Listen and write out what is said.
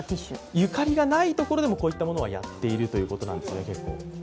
ゆかりがないところでもこういったものはやっているということなんですよね。